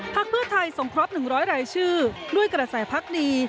เพื่อไทยส่งครบ๑๐๐รายชื่อด้วยกระแสพักดี